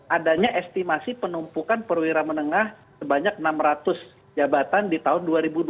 adanya estimasi penumpukan perwira menengah sebanyak enam ratus jabatan di tahun dua ribu dua puluh